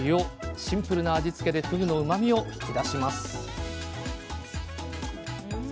シンプルな味付けでふぐのうまみを引き出します